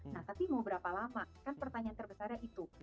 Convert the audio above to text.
nah tapi mau berapa lama kan pertanyaan terbesarnya itu